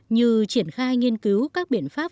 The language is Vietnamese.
như triển khai nghiên cứu các biện pháp